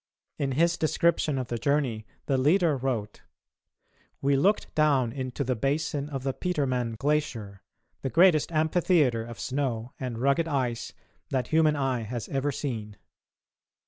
In his description of the journey the leader wrote: "We looked down into the basin of the Petermann Glacier, the greatest amphitheatre of snow and rugged ice that human eye has ever seen."